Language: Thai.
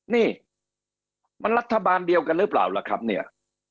นี่มันรัฐบาลเดียวกันหรือเปล่าล่ะครับเนี่ย